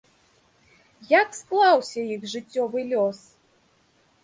Як склаўся іх жыццёвы лёс?